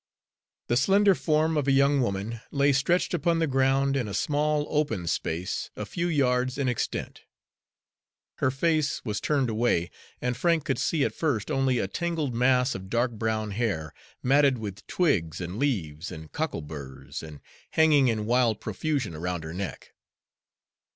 The slender form of a young woman lay stretched upon the ground in a small open space a few yards in extent. Her face was turned away, and Frank could see at first only a tangled mass of dark brown hair, matted with twigs and leaves and cockleburs, and hanging in wild profusion around her neck.